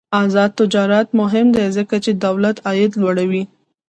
آزاد تجارت مهم دی ځکه چې دولت عاید لوړوي.